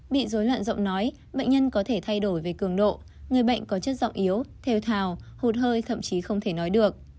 bị dối loạn giọng nói bệnh nhân có thể thay đổi về cường độ người bệnh có chất giọng yếu theo thào hụt hơi thậm chí không thể nói được